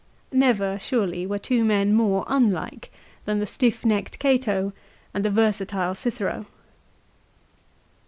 Never surely were two msn more unlike than the stiff necked Cato and the versatile Cicero.